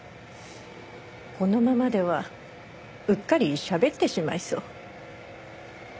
このままではうっかりしゃべってしまいそう。